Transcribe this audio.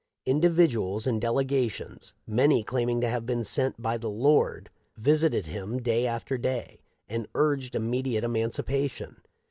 Individuals and delegations, many claiming to have been sent by the Lord, visited him day after day, and urged immediate emancipation.